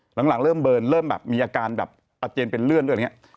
หลังเริ่มเบิร์นเริ่มแบบมีอาการแบบอัจเจนเป็นเลื่อนด้วย